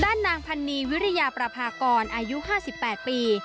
ด้านนางพันนีวิริยาปราภาคอนอายุ๕๘ปี